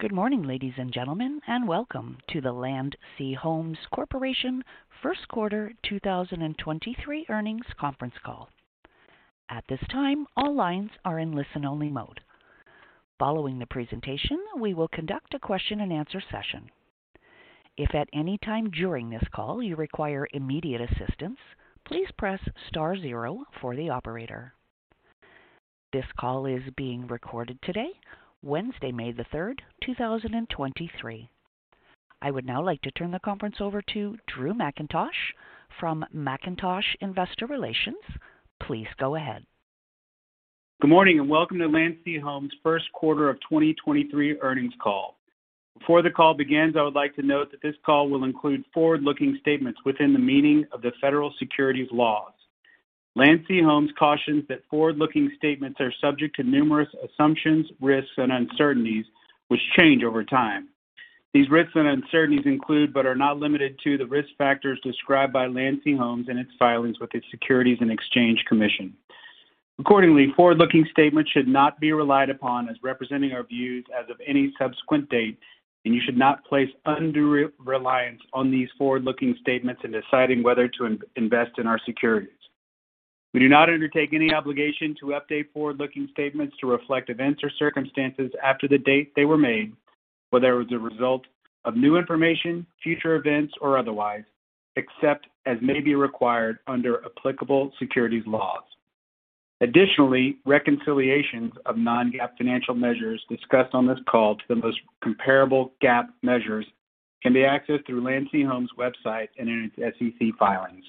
Good morning, ladies and gentlemen, and welcome to the Landsea Homes Corporation First Quarter 2023 earnings conference call. At this time, all lines are in listen-only mode. Following the presentation, we will conduct a question-and-answer session. If at any time during this call you require immediate assistance, please press star zero for the operator. This call is being recorded today, Wednesday, May 3, 2023. I would now like to turn the conference over to Drew Mackintosh from Mackintosh Investor Relations. Please go ahead. Good morning and welcome to Landsea Homes first quarter of 2023 earnings call. Before the call begins, I would like to note that this call will include forward-looking statements within the meaning of the Federal Securities laws. Landsea Homes cautions that forward-looking statements are subject to numerous assumptions, risks and uncertainties which change over time. These risks and uncertainties include, but are not limited to, the risk factors described by Landsea Homes in its filings with its Securities and Exchange Commission. Accordingly, forward-looking statements should not be relied upon as representing our views as of any subsequent date, and you should not place undue reliance on these forward-looking statements in deciding whether to invest in our securities. We do not undertake any obligation to update forward-looking statements to reflect events or circumstances after the date they were made, whether as a result of new information, future events or otherwise, except as may be required under applicable securities laws. Additionally, reconciliations of non-GAAP financial measures discussed on this call to the most comparable GAAP measures can be accessed through Landsea Homes website and in its SEC filings.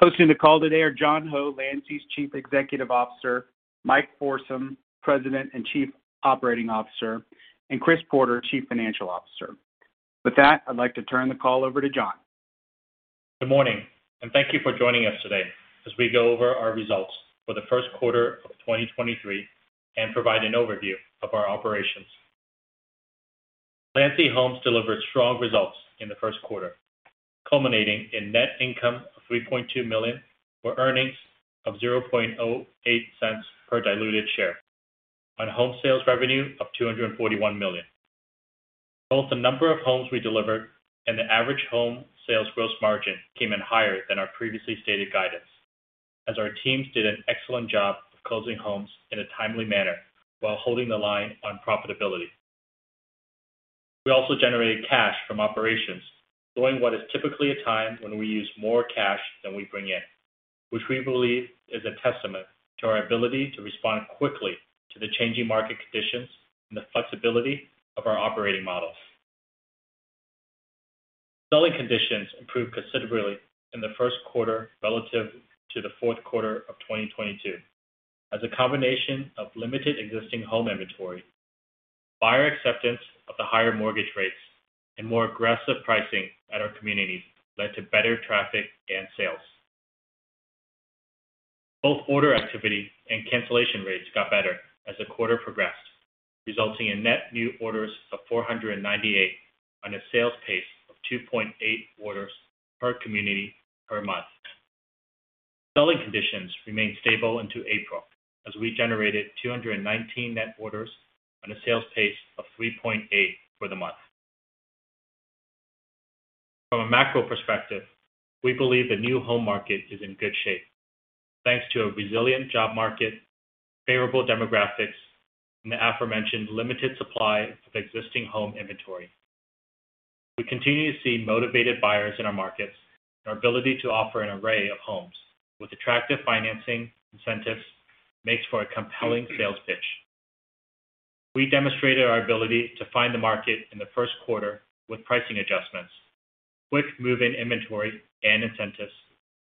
Hosting the call today are John Ho, Landsea's Chief Executive Officer, Mike Forsum, President and Chief Operating Officer, and Chris Porter, Chief Financial Officer. With that, I'd like to turn the call over to John. Good morning and thank you for joining us today as we go over our results for the first quarter of 2023 and provide an overview of our operations. Landsea Homes delivered strong results in the first quarter, culminating in net income of $3.2 million or earnings of $0.08 per diluted share on home sales revenue of $241 million. Both the number of homes we delivered and the average home sales gross margin came in higher than our previously stated guidance as our teams did an excellent job of closing homes in a timely manner while holding the line on profitability. We also generated cash from operations during what is typically a time when we use more cash than we bring in, which we believe is a testament to our ability to respond quickly to the changing market conditions and the flexibility of our operating models. Selling conditions improved considerably in the first quarter relative to the fourth quarter of 2022 as a combination of limited existing home inventory, buyer acceptance of the higher mortgage rates and more aggressive pricing at our communities led to better traffic and sales. Both order activity and cancellation rates got better as the quarter progressed, resulting in net new orders of 498 on a sales pace of 2.8 orders per community per month. Selling conditions remained stable into April as we generated 219 net orders on a sales pace of 3.8 for the month. From a macro perspective, we believe the new home market is in good shape, thanks to a resilient job market, favorable demographics and the aforementioned limited supply of existing home inventory. We continue to see motivated buyers in our markets. Our ability to offer an array of homes with attractive financing incentives makes for a compelling sales pitch. We demonstrated our ability to find the market in the first quarter with pricing adjustments, quick move-in inventory and incentives,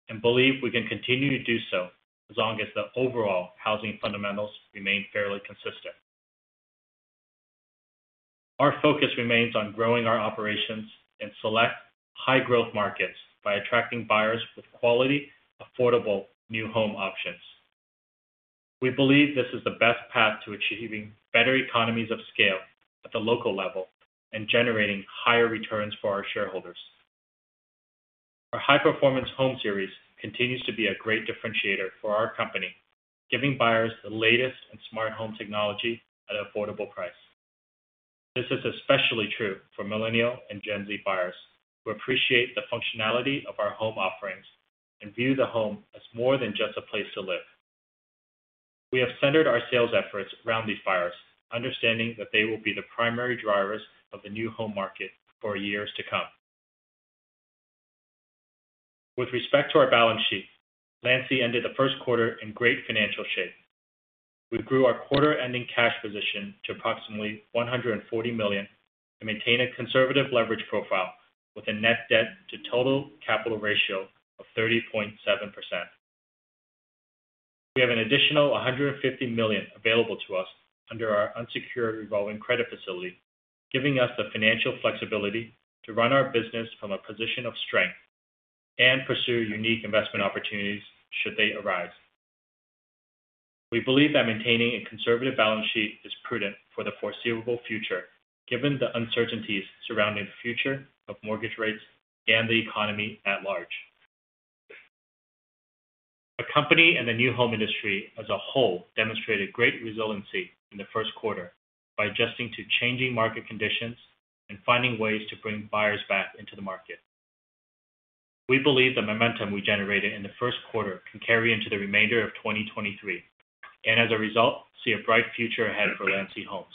and believe we can continue to do so as long as the overall housing fundamentals remain fairly consistent. Our focus remains on growing our operations in select high growth markets by attracting buyers with quality, affordable new home options. We believe this is the best path to achieving better economies of scale at the local level and generating higher returns for our shareholders. Our High Performance Home series continues to be a great differentiator for our company, giving buyers the latest in smart home technology at an affordable price. This is especially true for Millennial and Gen Z buyers who appreciate the functionality of our home offerings and view the home as more than just a place to live. We have centered our sales efforts around these buyers, understanding that they will be the primary drivers of the new home market for years to come. With respect to our balance sheet, Landsea Homes ended the first quarter in great financial shape. We grew our quarter ending cash position to approximately $140 million and maintain a conservative leverage profile with a net debt to total capital ratio of 30.7%. We have an additional $150 million available to us under our unsecured revolving credit facility, giving us the financial flexibility to run our business from a position of strength and pursue unique investment opportunities should they arise. We believe that maintaining a conservative balance sheet is prudent for the foreseeable future, given the uncertainties surrounding the future of mortgage rates and the economy at large. Our company and the new home industry as a whole demonstrated great resiliency in the first quarter by adjusting to changing market conditions and finding ways to bring buyers back into the market. We believe the momentum we generated in the first quarter can carry into the remainder of 2023, and as a result, see a bright future ahead for Landsea Homes.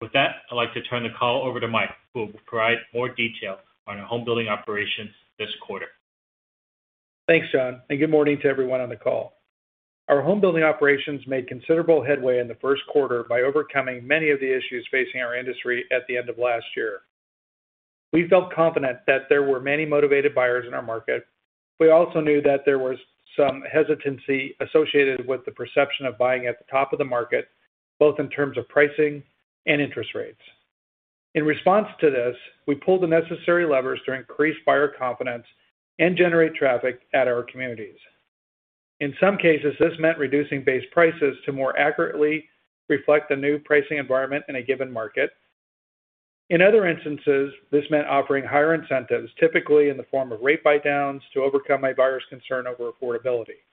With that, I'd like to turn the call over to Mike, who will provide more detail on our home building operations this quarter. Thanks, John. Good morning to everyone on the call. Our home building operations made considerable headway in the first quarter by overcoming many of the issues facing our industry at the end of last year. We felt confident that there were many motivated buyers in our market. We also knew that there was some hesitancy associated with the perception of buying at the top of the market, both in terms of pricing and interest rates. In response to this, we pulled the necessary levers to increase buyer confidence and generate traffic at our communities. In some cases, this meant reducing base prices to more accurately reflect the new pricing environment in a given market. In other instances, this meant offering higher incentives, typically in the form of rate buydowns, to overcome a buyer's concern over affordability.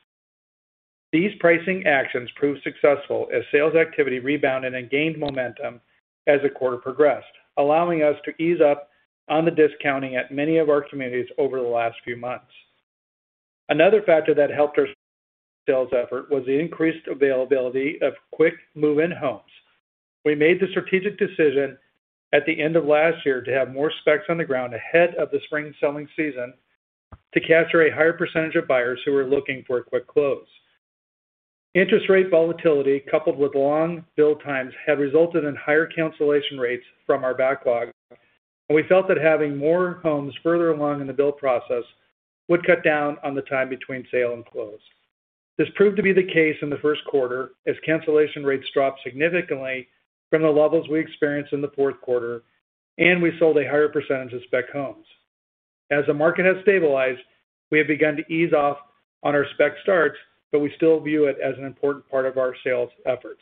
These pricing actions proved successful as sales activity rebounded and gained momentum as the quarter progressed, allowing us to ease up on the discounting at many of our communities over the last few months. Another factor that helped our sales effort was the increased availability of quick move-in homes. We made the strategic decision at the end of last year to have more specs on the ground ahead of the spring selling season to capture a higher percentage of buyers who were looking for a quick close. Interest rate volatility coupled with long build times had resulted in higher cancellation rates from our backlog, and we felt that having more homes further along in the build process would cut down on the time between sale and close. This proved to be the case in the first quarter as cancellation rates dropped significantly from the levels we experienced in the fourth quarter. We sold a higher percentage of spec homes. As the market has stabilized, we have begun to ease off on our spec starts. We still view it as an important part of our sales efforts.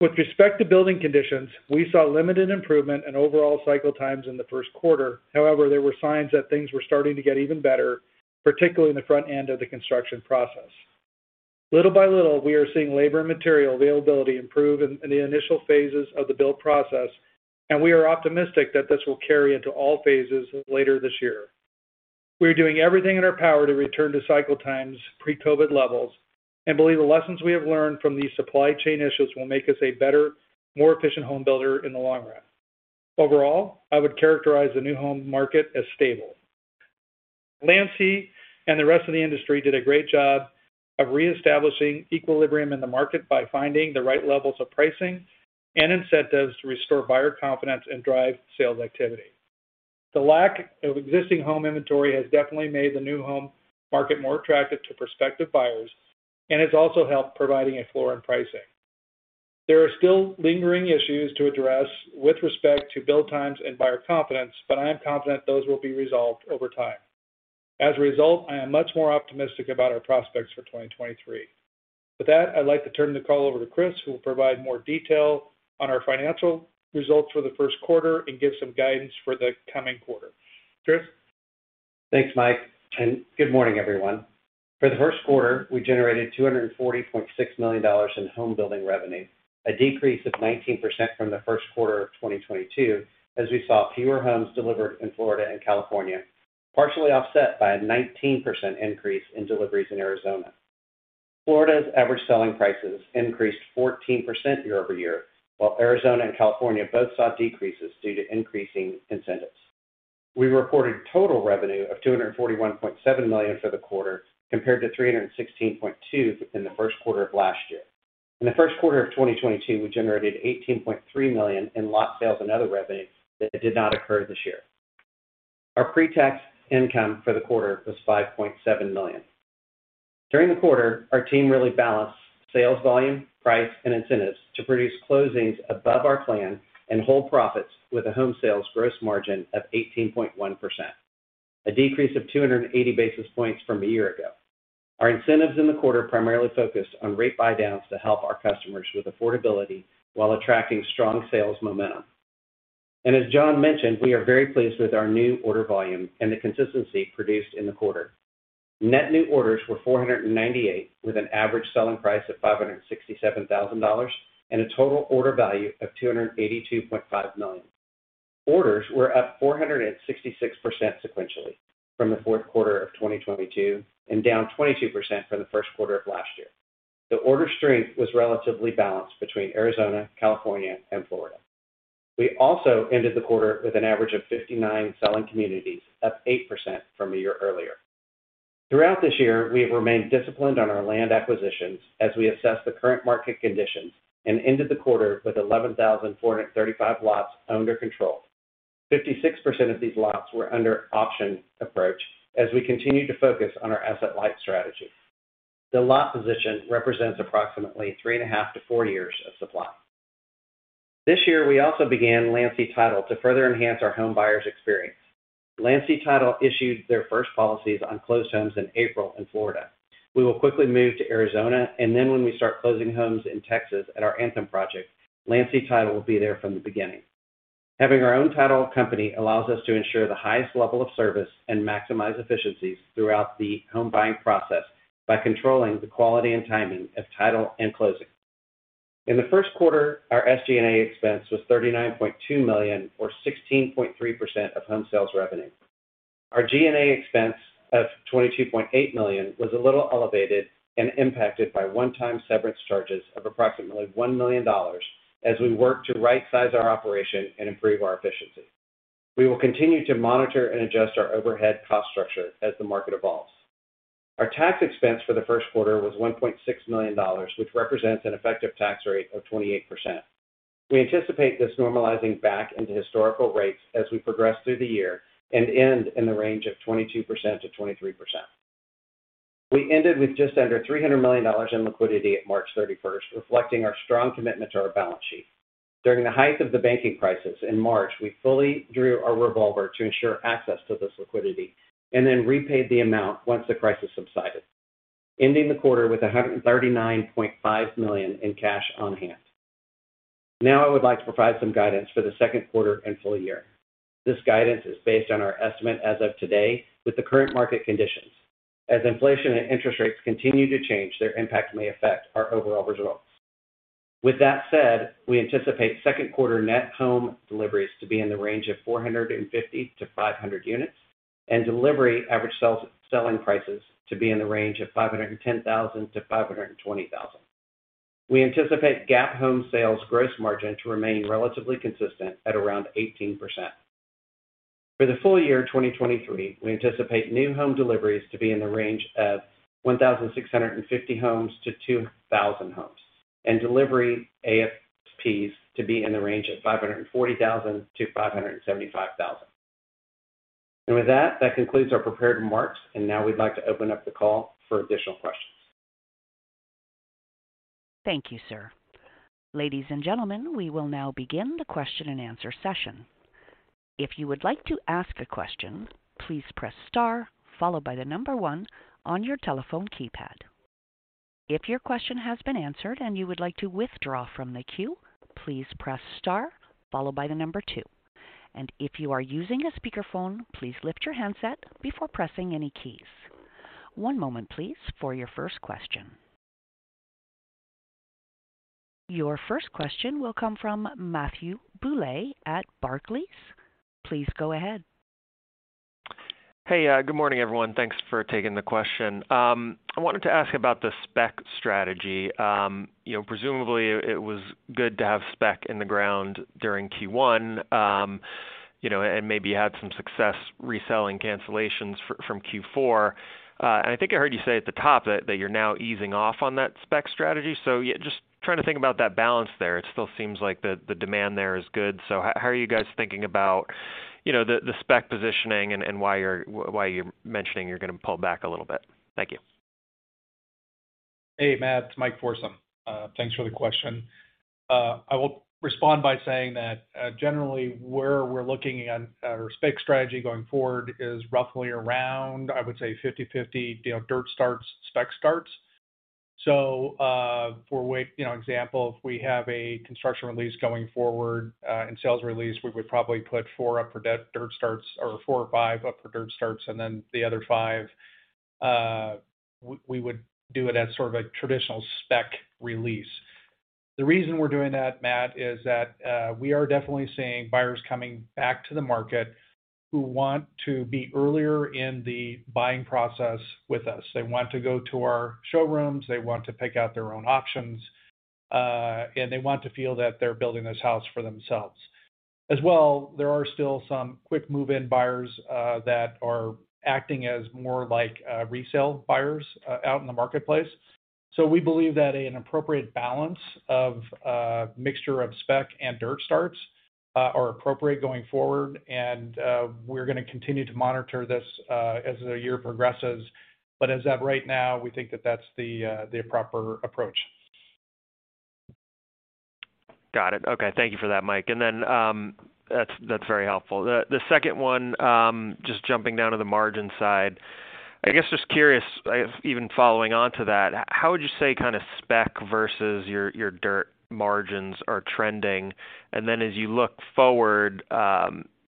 With respect to building conditions, we saw limited improvement in overall cycle times in the first quarter. However, there were signs that things were starting to get even better, particularly in the front end of the construction process. Little by little, we are seeing labor and material availability improve in the initial phases of the build process. We are optimistic that this will carry into all phases later this year. We are doing everything in our power to return to cycle times pre-COVID levels and believe the lessons we have learned from these supply chain issues will make us a better, more efficient home builder in the long run. Overall, I would characterize the new home market as stable. Landsea and the rest of the industry did a great job of reestablishing equilibrium in the market by finding the right levels of pricing and incentives to restore buyer confidence and drive sales activity. The lack of existing home inventory has definitely made the new home market more attractive to prospective buyers and has also helped providing a floor in pricing. There are still lingering issues to address with respect to build times and buyer confidence, but I am confident those will be resolved over time. As a result, I am much more optimistic about our prospects for 2023. With that, I'd like to turn the call over to Chris, who will provide more detail on our financial results for the first quarter and give some guidance for the coming quarter. Chris? Thanks, Mike, good morning, everyone. For the first quarter, we generated $240.6 million in home building revenue, a decrease of 19% from the first quarter of 2022, as we saw fewer homes delivered in Florida and California, partially offset by a 19% increase in deliveries in Arizona. Florida's average selling prices increased 14% year-over-year, while Arizona and California both saw decreases due to increasing incentives. We reported total revenue of $241.7 million for the quarter, compared to $316.2 million in the first quarter of last year. In the first quarter of 2022, we generated $18.3 million in lot sales and other revenue that did not occur this year. Our pre-tax income for the quarter was $5.7 million. During the quarter, our team really balanced sales volume, price, and incentives to produce closings above our plan and whole profits with a home sales gross margin of 18.1%, a decrease of 280 basis points from a year ago. Our incentives in the quarter primarily focused on rate buydowns to help our customers with affordability while attracting strong sales momentum. As John mentioned, we are very pleased with our new order volume and the consistency produced in the quarter. Net new orders were 498, with an average selling price of $567,000 and a total order value of $282.5 million. Orders were up 466% sequentially from the fourth quarter of 2022 and down 22% from the first quarter of last year. The order strength was relatively balanced between Arizona, California, and Florida. We also ended the quarter with an average of 59 selling communities, up 8% from a year earlier. Throughout this year, we have remained disciplined on our land acquisitions as we assess the current market conditions and ended the quarter with 11,435 lots owned or controlled. 56% of these lots were under option approach as we continue to focus on our asset-light strategy. The lot position represents approximately 3.5 to 4 years of supply. This year, we also began Landsea Title to further enhance our home buyers' experience. Landsea Title issued their first policies on closed homes in April in Florida. We will quickly move to Arizona. When we start closing homes in Texas at our Anthem project, Landsea Title will be there from the beginning. Having our own title company allows us to ensure the highest level of service and maximize efficiencies throughout the home buying process by controlling the quality and timing of title and closing. In the first quarter, our SG&A expense was $39.2 million or 16.3% of home sales revenue. Our G&A expense of $22.8 million was a little elevated and impacted by one-time severance charges of approximately $1 million as we work to right-size our operation and improve our efficiency. We will continue to monitor and adjust our overhead cost structure as the market evolves. Our tax expense for the first quarter was $1.6 million, which represents an effective tax rate of 28%. We anticipate this normalizing back into historical rates as we progress through the year and end in the range of 22%-23%. We ended with just under $300 million in liquidity at March 31st, reflecting our strong commitment to our balance sheet. During the height of the banking crisis in March, we fully drew our revolver to ensure access to this liquidity and then repaid the amount once the crisis subsided, ending the quarter with $139.5 million in cash on hand. I would like to provide some guidance for the second quarter and full year. This guidance is based on our estimate as of today with the current market conditions. Inflation and interest rates continue to change, their impact may affect our overall results. With that said, we anticipate second quarter net home deliveries to be in the range of 450-500 units and delivery average selling prices to be in the range of $510,000-$520,000. We anticipate GAAP home sales gross margin to remain relatively consistent at around 18%. For the full year 2023, we anticipate new home deliveries to be in the range of 1,650 homes to 2,000 homes and delivery ASPs to be in the range of $540,000-$575,000. With that concludes our prepared remarks, and now we'd like to open up the call for additional questions. Thank you, sir. Ladies and gentlemen, we will now begin the question-and-answer session. If you would like to ask a question, please press star followed by the number one on your telephone keypad. If your question has been answered and you would like to withdraw from the queue, please press star followed by the number two. If you are using a speakerphone, please lift your handset before pressing any keys. One moment please for your first question. Your first question will come from Matthew Bouley at Barclays. Please go ahead. Hey, good morning, everyone. Thanks for taking the question. I wanted to ask about the spec strategy. You know, presumably it was good to have spec in the ground during Q1, you know, and maybe had some success reselling cancellations from Q4. I think I heard you say at the top that you're now easing off on that spec strategy. Yeah, just trying to think about that balance there. It still seems like the demand there is good. How are you guys thinking about, you know, the spec positioning and why you're mentioning you're going to pull back a little bit? Thank you. Hey, Matt, it's Mike Forsum. Thanks for the question. I will respond by saying that, generally, where we're looking at our spec strategy going forward is roughly around, I would say, 50/50, you know, dirt starts, spec starts. For example, if we have a construction release going forward, and sales release, we would probably put 4 up for dirt starts or 4 or 5 up for dirt starts, and then the other 5, we would do it as sort of a traditional spec release. The reason we're doing that, Matt, is that we are definitely seeing buyers coming back to the market who want to be earlier in the buying process with us. They want to go to our showrooms, they want to pick out their own options, and they want to feel that they're building this house for themselves. As well, there are still some quick move-in buyers, that are acting as more like, resale buyers out in the marketplace. We believe that an appropriate balance of a mixture of spec and dirt starts, are appropriate going forward. We're going to continue to monitor this, as the year progresses. As of right now, we think that that's the proper approach. Got it. Okay. Thank you for that, Mike. That's very helpful. The second one, just jumping down to the margin side. I guess just curious, I guess even following on to that, how would you say kind of spec versus your dirt margins are trending? As you look forward,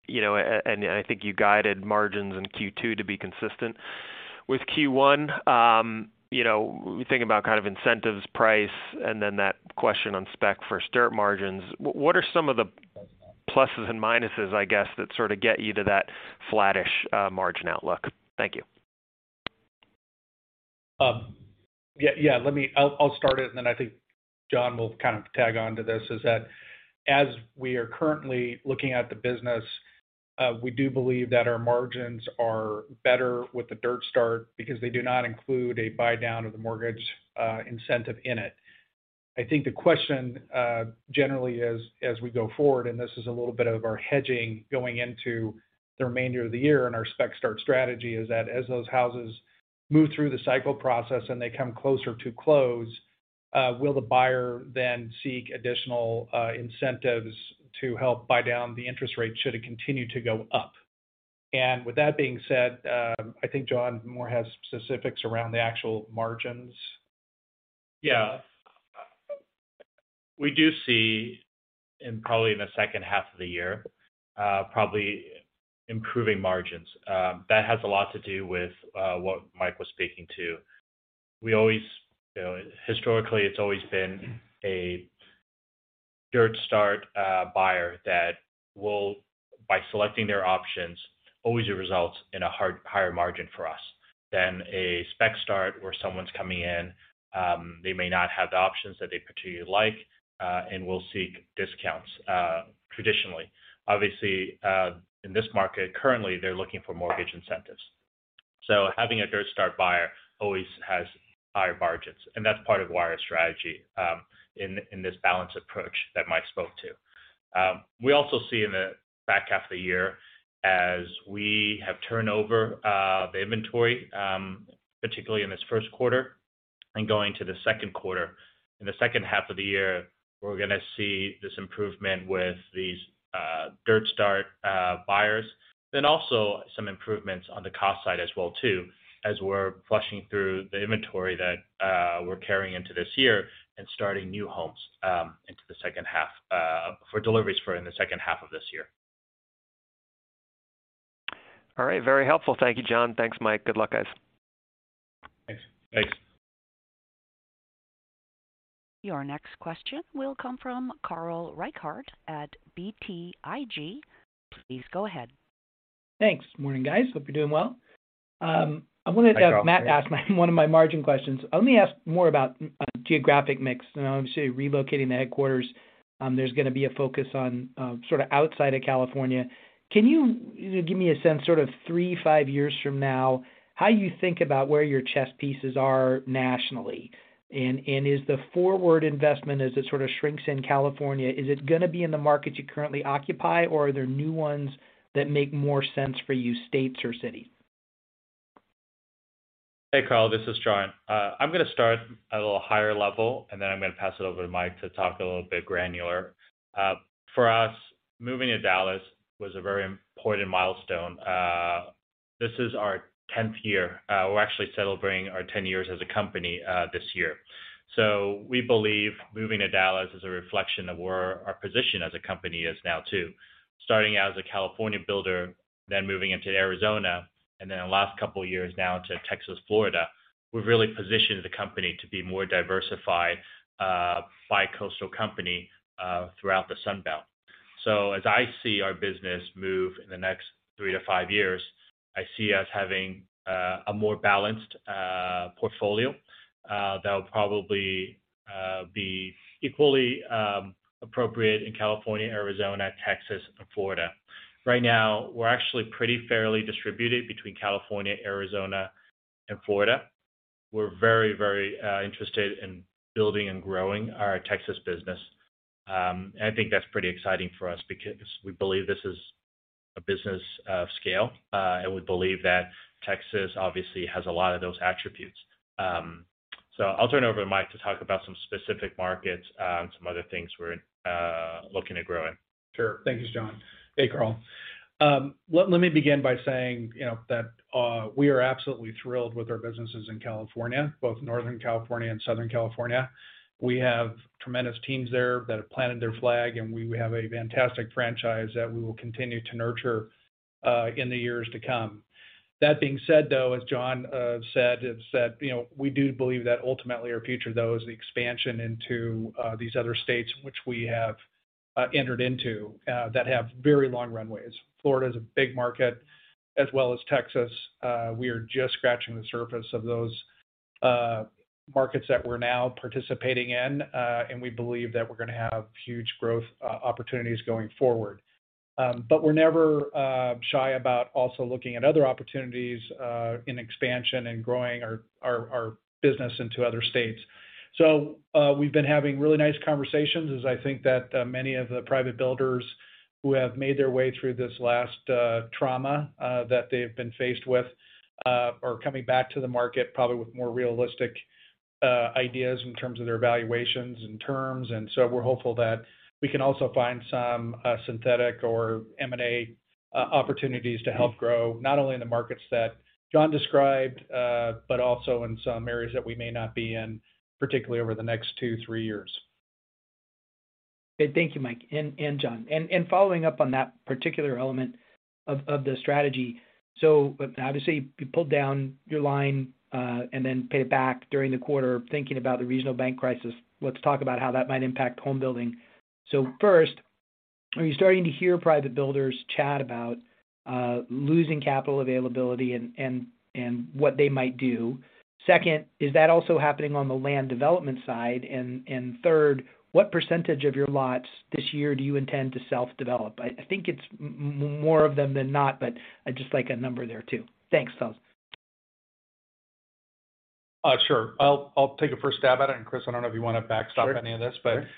you know, and I think you guided margins in Q2 to be consistent with Q1. You know, we think about kind of incentives, price, and then that question on spec versus dirt margins. What are some of the pluses and minuses, I guess, that sort of get you to that flattish margin outlook? Thank you. Yeah, yeah. Let me. I'll start it, and then I think John will kind of tag on to this, is that as we are currently looking at the business, we do believe that our margins are better with the dirt start because they do not include a buydown of the mortgage incentive in it. I think the question generally is as we go forward, and this is a little bit of our hedging going into the remainder of the year in our spec start strategy, is that as those houses move through the cycle process and they come closer to close, will the buyer then seek additional incentives to help buy down the interest rate should it continue to go up? With that being said, I think John more has specifics around the actual margins. Yeah. We do see in probably in the second half of the year, probably improving margins. That has a lot to do with what Mike was speaking to. We always, you know, historically, it's always been a dirt start buyer that will, by selecting their options, always results in a hard-higher margin for us than a spec start where someone's coming in, they may not have the options that they particularly like, and will seek discounts traditionally. Obviously, in this market, currently, they're looking for mortgage incentives. Having a dirt start buyer always has higher margins, and that's part of our strategy in this balanced approach that Mike spoke to. We also see in the back half of the year as we have turned over the inventory, particularly in this first quarter and going to the second quarter. In the second half of the year, we're gonna see this improvement with these dirt start buyers, also some improvements on the cost side as well too, as we're flushing through the inventory that we're carrying into this year and starting new homes into the second half for deliveries for in the second half of this year. All right. Very helpful. Thank you, John. Thanks, Mike. Good luck, guys. Thanks. Thanks. Your next question will come from Carl Reichardt at BTIG. Please go ahead. Thanks. Morning, guys. Hope you're doing well. Hi, Carl. -have Matt ask my one of my margin questions. Let me ask more about geographic mix. Obviously, relocating the headquarters, there's gonna be a focus on sort of outside of California. Can you know, give me a sense sort of three, five years from now, how you think about where your chess pieces are nationally? Is the forward investment as it sort of shrinks in California, is it gonna be in the markets you currently occupy, or are there new ones that make more sense for you, states or cities? Hey, Carl, this is John. I'm gonna start at a little higher level, and then I'm gonna pass it over to Mike to talk a little bit granular. For us, moving to Dallas was a very important milestone. This is our 10th year. We're actually celebrating our 10 years as a company this year. We believe moving to Dallas is a reflection of where our position as a company is now too. Starting out as a California builder, then moving into Arizona, and then the last couple of years now to Texas, Florida, we've really positioned the company to be more diversified, bi-coastal company, throughout the Sun Belt. As I see our business move in the next 3 to 5 years, I see us having a more balanced portfolio that would probably be equally appropriate in California, Arizona, Texas, and Florida. Right now, we're actually pretty fairly distributed between California, Arizona, and Florida. We're very, very interested in building and growing our Texas business. I think that's pretty exciting for us because we believe this is a business of scale, and we believe that Texas obviously has a lot of those attributes. I'll turn it over to Mike to talk about some specific markets, some other things we're looking to grow in. Sure. Thank you, John. Hey, Carl. Let me begin by saying, you know, that we are absolutely thrilled with our businesses in California, both Northern California and Southern California. We have tremendous teams there that have planted their flag, and we have a fantastic franchise that we will continue to nurture in the years to come. That being said, though, as John said, is that, you know, we do believe that ultimately our future, though, is the expansion into these other states which we have entered into that have very long runways. Florida is a big market as well as Texas. We are just scratching the surface of those markets that we're now participating in, and we believe that we're gonna have huge growth opportunities going forward. We're never shy about also looking at other opportunities in expansion and growing our business into other states. We've been having really nice conversations as I think that many of the private builders who have made their way through this last trauma that they've been faced with are coming back to the market probably with more realistic ideas in terms of their valuations and terms. We're hopeful that we can also find some synthetic or M&A opportunities to help grow not only in the markets that John described, but also in some areas that we may not be in, particularly over the next two, three years. Okay. Thank you, Mike and John. Following up on that particular element of the strategy. Obviously, you pulled down your line and then paid it back during the quarter, thinking about the regional bank crisis. Let's talk about how that might impact home building. First, are you starting to hear private builders chat about losing capital availability and what they might do? Second, is that also happening on the land development side? Third, what % of your lots this year do you intend to self-develop? I think it's more of them than not, but I'd just like a number there too. Thanks. Sure. I'll take a first stab at it. Chris, I don't know if you wanna backstop any of this. Sure, sure.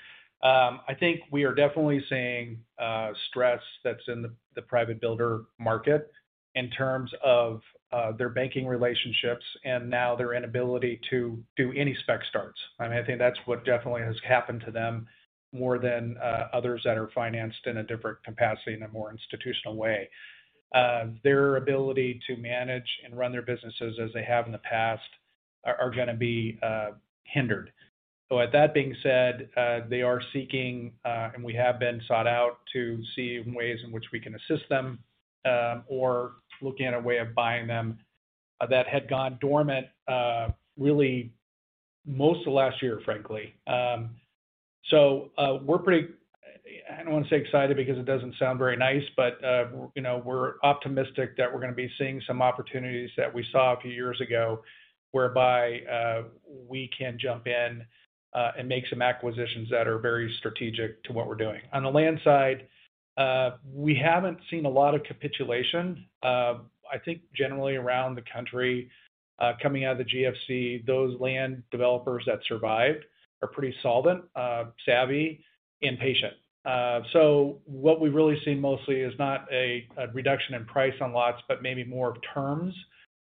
I think we are definitely seeing stress that's in the private builder market in terms of their banking relationships and now their inability to do any spec starts. I mean, I think that's what definitely has happened to them more than others that are financed in a different capacity in a more institutional way. Their ability to manage and run their businesses as they have in the past are gonna be hindered. With that being said, they are seeking, and we have been sought out to see ways in which we can assist them, or looking at a way of buying them, that had gone dormant, really most of last year, frankly. I don't want to say excited because it doesn't sound very nice, but you know, we're gonna be seeing some opportunities that we saw a few years ago whereby we can jump in and make some acquisitions that are very strategic to what we're doing. On the land side, we haven't seen a lot of capitulation. I think generally around the country, coming out of the GFC, those land developers that survived are pretty solvent, savvy and patient. What we really see mostly is not a reduction in price on lots, but maybe more of terms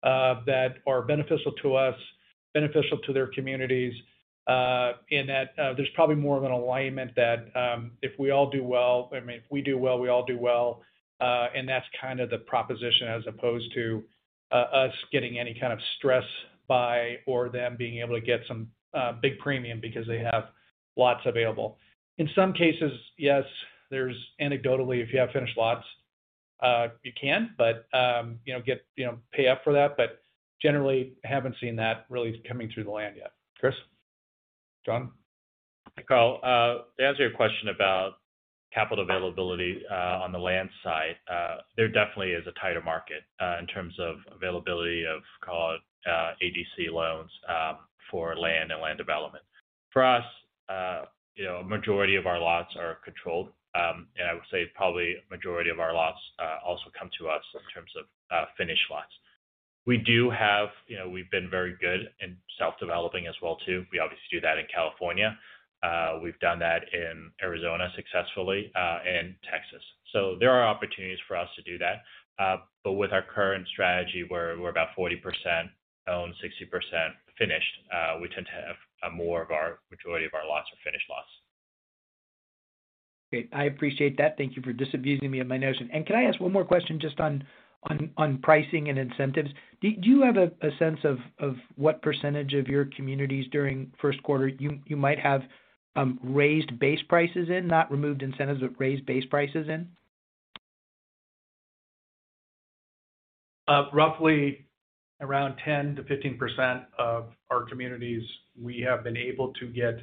that are beneficial to us, beneficial to their communities, in that there's probably more of an alignment that if we all do well, I mean, if we do well, we all do well. That's kind of the proposition as opposed to us getting any kind of stress buy or them being able to get some big premium because they have lots available. In some cases, yes, there's anecdotally, if you have finished lots, you can, but, you know, get, pay up for that. Generally haven't seen that really coming through the land yet. Chris? John? Hi, Carl. To answer your question about capital availability, on the land side, there definitely is a tighter market, in terms of availability of, call it, ADC loans, for land and land development. For us, you know, a majority of our lots are controlled. And I would say probably a majority of our lots, also come to us in terms of, finished lots. We do have, you know, we've been very good in self-developing as well too. We obviously do that in California. We've done that in Arizona successfully, and Texas. There are opportunities for us to do that. With our current strategy, we're about 40% owned, 60% finished. We tend to have, more of our majority of our lots are finished lots. Great. I appreciate that. Thank you for disabusing me of my notion. Can I ask one more question just on pricing and incentives? Do you have a sense of what % of your communities during first quarter you might have raised base prices in? Not removed incentives, but raised base prices in? Roughly around 10%-15% of our communities, we have been able to get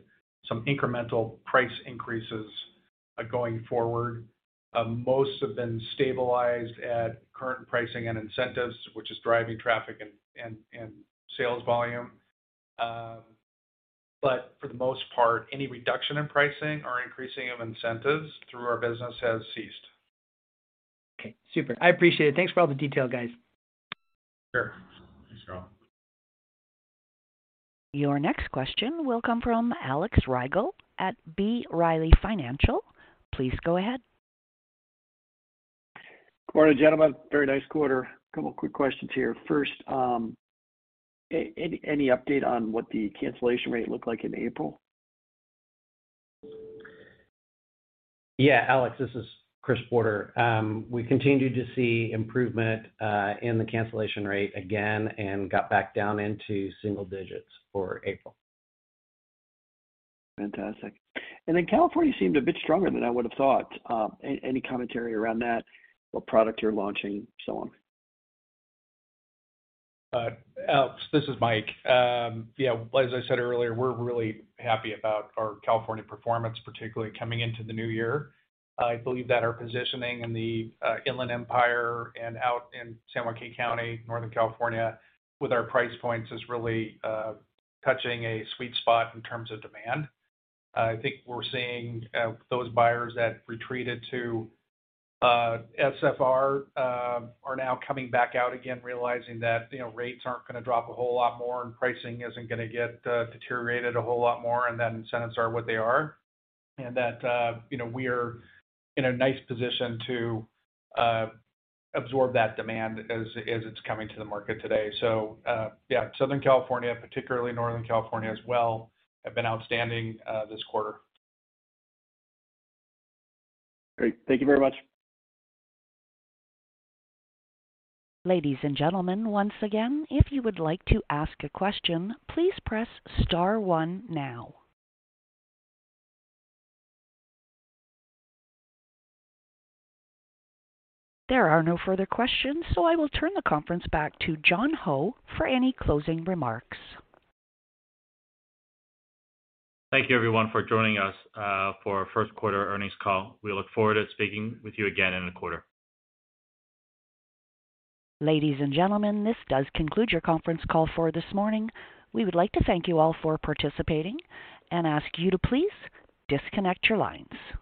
some incremental price increases going forward. Most have been stabilized at current pricing and incentives, which is driving traffic and sales volume. For the most part, any reduction in pricing or increasing of incentives through our business has ceased. Okay. Super. I appreciate it. Thanks for all the detail, guys. Sure. Thanks, John. Your next question will come from Alex Rygiel at B. Riley Financial. Please go ahead. Good morning, gentlemen. Very nice quarter. A couple of quick questions here. First, any update on what the cancellation rate looked like in April? Yeah, Alex, this is Chris Porter. We continued to see improvement in the cancellation rate again and got back down into single digits for April. Fantastic. California seemed a bit stronger than I would have thought. any commentary around that, what product you're launching, so on? Alex, this is Mike. Yeah, as I said earlier, we're really happy about our California performance, particularly coming into the new year. I believe that our positioning in the Inland Empire and out in San Joaquin County, Northern California, with our price points is really touching a sweet spot in terms of demand. I think we're seeing those buyers that retreated to SFR are now coming back out again, realizing that, you know, rates aren't gonna drop a whole lot more and pricing isn't gonna get deteriorated a whole lot more, and that incentives are what they are. That, you know, we're in a nice position to absorb that demand as it's coming to the market today. Yeah, Southern California, particularly Northern California as well, have been outstanding this quarter. Great. Thank you very much. Ladies and gentlemen, once again, if you would like to ask a question, please press star one now. There are no further questions, so I will turn the conference back to John Ho for any closing remarks. Thank you, everyone, for joining us, for our first quarter earnings call. We look forward to speaking with you again in a quarter. Ladies and gentlemen, this does conclude your conference call for this morning. We would like to thank you all for participating and ask you to please disconnect your lines.